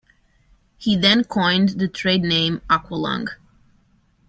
He then coined the trade name "Aqua-Lung".